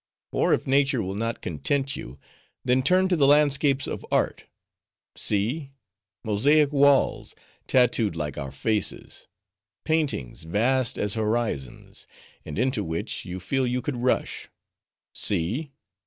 Or if nature will not content you, then turn to the landscapes of art. See! mosaic walls, tattooed like our faces; paintings, vast as horizons; and into which, you feel you could rush: See!